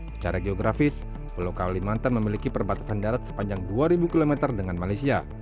secara geografis pulau kalimantan memiliki perbatasan darat sepanjang dua ribu km dengan malaysia